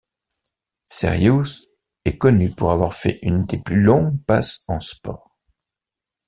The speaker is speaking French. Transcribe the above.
Serioux est connu pour avoir fait une des plus longues passes en sport.